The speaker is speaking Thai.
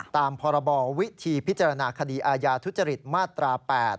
ตามพรบวิธีพิจารณาคดีอาญาทุจริตมาตรา๘